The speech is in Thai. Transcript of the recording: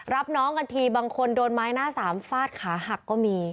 รับน้องกันทีบางคนโดนไม้หน้าสามฟาดขาหักก็มี